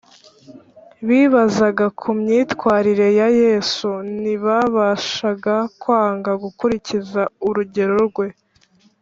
. Bibazaga ku myitwarire ya Yesu. Ntibabashaga kwanga gukurikiza urugero rwe